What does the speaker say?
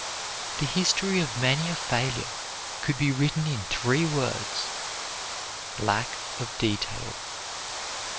The history of many a failure could be written in three words, "Lack of detail."